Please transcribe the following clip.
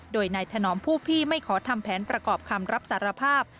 โดยนายถนอมผู้พี่ไม่ขอทำแผนประกอบคำรับสารภาพ